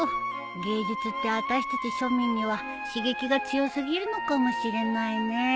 芸術ってあたしたち庶民には刺激が強過ぎるのかもしれないね。